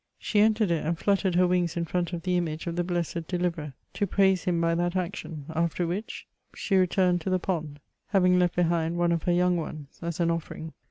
She entered it and fluttered her wings in firont of the image of the blessed deliverer, to praise him by that action ; after which, she returned to the pond, having left behind one of her young ones as an offering.